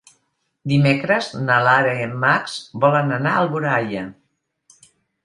Dimecres na Lara i en Max volen anar a Alboraia.